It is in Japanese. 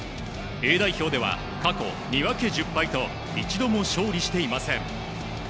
Ａ代表では過去２分け１０敗と一度も勝利していません。